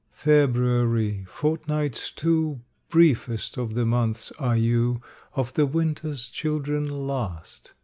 FEBRUARY, fortnights two Briefest of the months are you, Of the winter's children last.